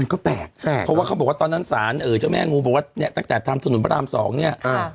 ก็แปลกเพราะว่าเขาบอกว่าตอนนั้นสารเจ้าแม่งูบอกว่าเนี่ยตั้งแต่ทำถนนพระรามสองเนี่ย